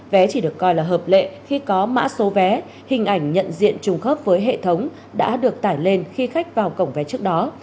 vé chỉ được coi là hợp lệ khi có mã số vé hình ảnh nhận diện trùng khớp với hệ thống đã được tải lên khi khách vào cổng vé trước đó